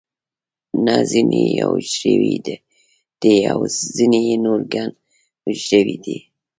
نه ځینې یو حجروي دي او ځینې نور ګڼ حجروي دي